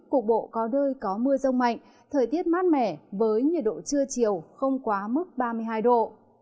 cục bộ có nơi có mưa rông mạnh thời tiết mát mẻ với nhiệt độ trưa chiều không quá mức ba mươi hai độ